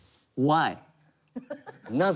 なぜ？